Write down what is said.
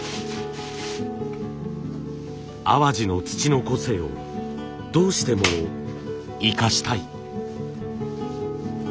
淡路の土の個性をどうしても生かしたい。